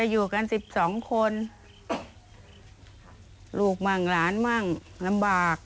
อยู่ลูกหลานมากลำบาก